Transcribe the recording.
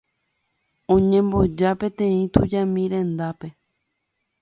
Oñemboja peteĩ tujami rendápe.